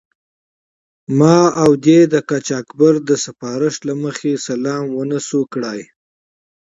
ما او دې د قاچاقبر د سپارښت له مخې سلام و نه شو کړای.